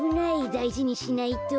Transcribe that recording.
だいじにしないと。